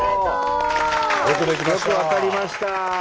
よく分かりました。